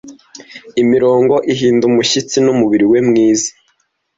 imirongo ihinda umushyitsi n'umubiri we mwiza